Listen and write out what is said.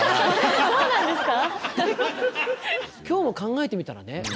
今日も考えてみたらね